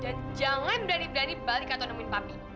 dan jangan berani berani balik ke ato nemen papi